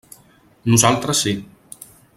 Nosaltres sí.